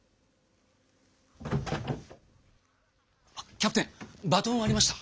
あキャプテンバトンありました？